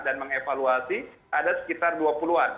dan mengevaluasi ada sekitar dua puluh an